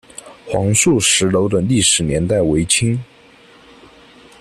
黄素石楼的历史年代为清。